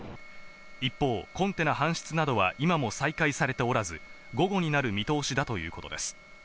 一方、コンテナ搬出などは今も再開されておらず、午後になる見通しだということです。